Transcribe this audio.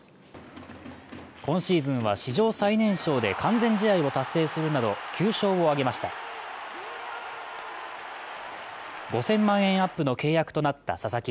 今シーズンは史上最年少で完全試合を達成するなど９勝を挙げました５０００万円アップの契約となった佐々木。